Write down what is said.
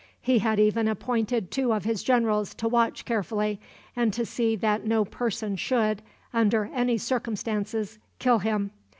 He had even appointed two of his generals to watch carefully, and to see that no person should, under any circumstances, kill him.